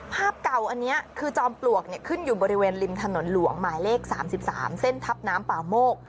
ภาพเก่าอันนี้คือจอมปลวกขึ้นอยู่บริเวณริมถนนหลวงหมายเลข๓๓เส้นทับน้ำป่าโมก